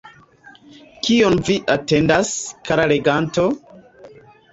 Kion Vi atendas, kara leganto?